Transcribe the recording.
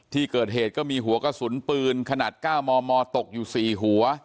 ที่เกิดเหตุก็มีหัวกระสุนปืนขนาด๙มมตกอยู่๔หัว